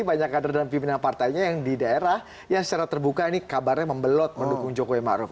banyak kader dan pimpinan partainya yang di daerah yang secara terbuka ini kabarnya membelot mendukung jokowi maruf